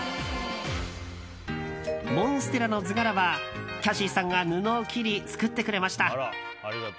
モンステラの図柄はキャシーさんが布を切り作ってくれました。